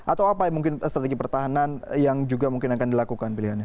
atau apa mungkin strategi pertahanan yang juga mungkin akan dilakukan pilihannya